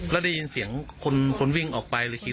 แล้วได้ยินเสียงคนวิ่งออกไปเลยคิด